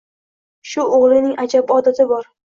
Shu o‘g‘lining ajab odati bor